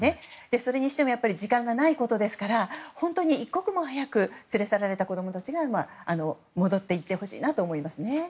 それにしても時間がないことですから本当に一刻も早く連れ去られた子供たちが戻っていってほしいなと思いますね。